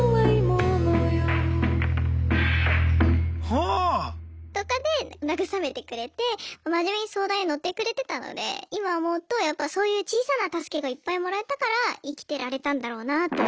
はぁ！とかで慰めてくれて真面目に相談に乗ってくれてたので今思うとやっぱそういう小さな助けがいっぱいもらえたから生きてられたんだろうなと。